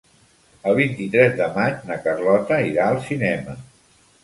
El vint-i-tres de maig na Carlota irà al cinema.